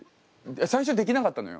最初できなかったのよ。